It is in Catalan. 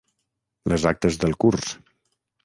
Les actes del curs.